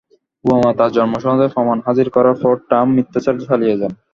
Obama তাঁর জন্মসনদের প্রমাণ হাজির করার পরও ট্রাম্প মিথ্যাচার চালিয়ে যান।